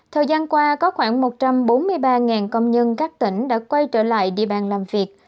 thời gian qua có khoảng một trăm bốn mươi ba công nhân các tỉnh đã quay trở lại địa bàn làm việc